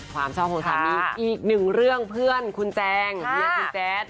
ความชอบของสามีอีกหนึ่งเรื่องเพื่อนคุณแจงเมียคุณแจ๊ด